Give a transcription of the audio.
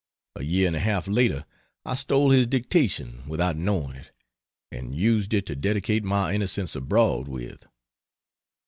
A year and a half later I stole his dictation, without knowing it, and used it to dedicate my "Innocents Abroad" with.